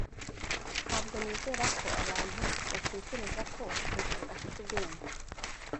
Ntabwo nizera ko abantu batekereza ko Kevin afite ubwenge.